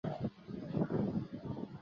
苯乙腈是一种有机化合物。